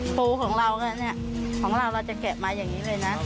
ปูของเราของเราเราจะแกะมาอย่างนี้เลยนะ